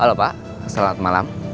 halo pak selamat malam